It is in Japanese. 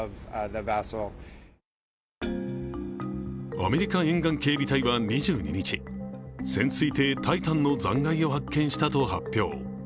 アメリカ沿岸警備隊は２２日、潜水艇「タイタン」の残骸を発見したと発表。